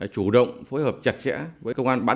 chủ động phối hợp chặt chẽ với công an